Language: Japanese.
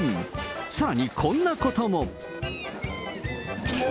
さらにこんなことも。